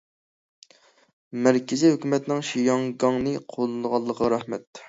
مەركىزىي ھۆكۈمەتنىڭ شياڭگاڭنى قوللىغانلىقىغا رەھمەت.